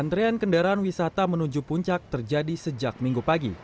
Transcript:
antrean kendaraan wisata menuju puncak terjadi sejak minggu pagi